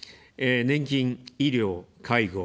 年金・医療・介護。